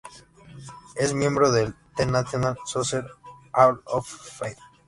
Es miembro del "the National Soccer Hall of Fame".